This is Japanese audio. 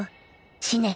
死ね。